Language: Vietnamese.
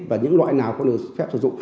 và những loại nào cũng được phép sử dụng